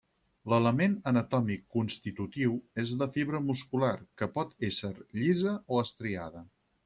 L'element anatòmic constitutiu és la fibra muscular, que pot ésser llisa o estriada.